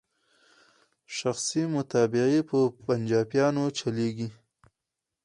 شخصي مطبعې په پنجابیانو چلیږي.